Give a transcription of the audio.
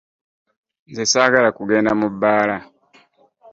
Nze ssaagala kugenda mu bbaala.